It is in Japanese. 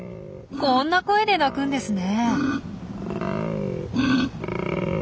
こんな声で鳴くんですね。